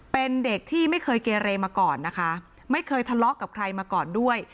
เป็นเด็กที่ไม่เคยเกเรมาก่อนนะคะไม่เคยทะเลาะกับใครมาก่อนด้วย